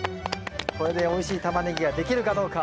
これでおいしいタマネギができるかどうか。